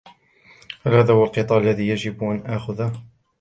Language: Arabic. هل هذا هو القطار الذي يجب أن آخذهُ؟